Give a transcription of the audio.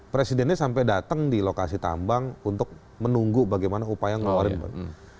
presidennya sampai datang di lokasi tambang untuk menunggu bagaimana upaya ngeluarinment